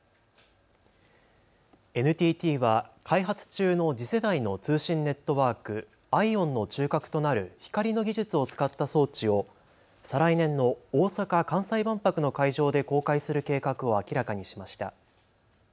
ＮＴＴは開発中の次世代の通信ネットワーク、ＩＯＷＮの中核となる光の技術を使った装置を再来年の大阪・関西万博の会場で公開する計画を明らかにしました。